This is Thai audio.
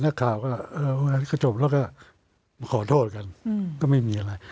หน้าข่าวก็จบแล้วก็ขอโทษกันก็ไม่มีอะไร